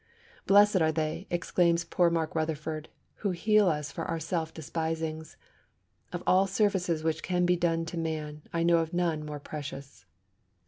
'Blessed are they,' exclaims poor Mark Rutherford, 'who heal us of our self despisings! Of all services which can be done to man, I know of none more precious.'